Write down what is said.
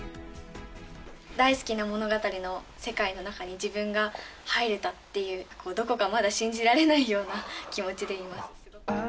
大好きな物語の世界の中に自分が入れたっていう、どこかまだ信じられないような気持ちでいます。